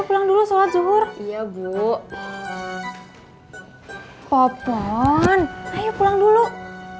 pulang dulu solat zuhur ya bu radz traz hai popon ayo pulang dulu ya udah bu